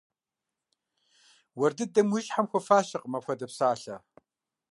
Уэр дыдэми уи щхьэм хуэфащэкъым апхуэдэ псалъэ.